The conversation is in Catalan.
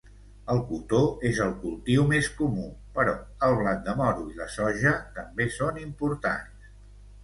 El cotó és el cultiu més comú, però el blat de moro i la soja també són importants.